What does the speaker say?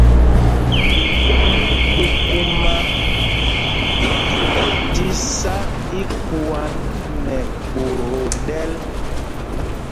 Kūkūmā ɛ tí sá íkuǎ nɛ ɓot o ɗɛ̄l.